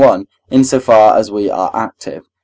in so far as we are active.